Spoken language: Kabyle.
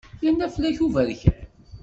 Yerna fell-ak uberkan.